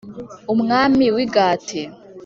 Umwami w i gati